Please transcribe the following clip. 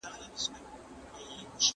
يوازې لږ تمرين غواړي.